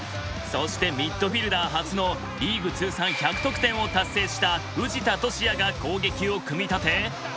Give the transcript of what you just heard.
そしてミッドフィルダー初のリーグ通算１００得点を達成した藤田俊哉が攻撃を組み立て。